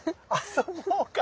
遊ぼうか。